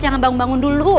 jangan bangun bangun dulu